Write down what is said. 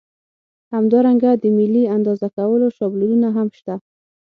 همدارنګه د ملي اندازه کولو شابلونونه هم شته.